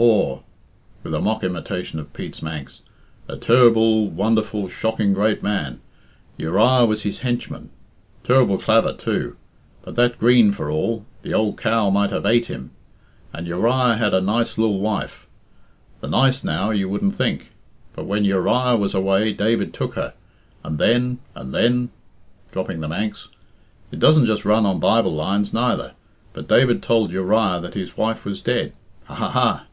Aw" (with a mock imitation of Pete's Manx), "a ter'ble, wonderful, shocking great man. Uriah was his henchman. Ter'ble clavar, too, but that green for all, the ould cow might have ate him. And Uriah had a nice lil wife. The nice now, you wouldn't think. But when Uriah was away David took her, and then and then" (dropping the Manx) "it doesn't just run on Bible lines neither, but David told Uriah that his wife was dead ha! ha! ha!